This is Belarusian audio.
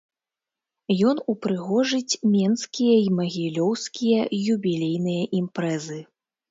Ён упрыгожыць менскія й магілёўскія юбілейныя імпрэзы.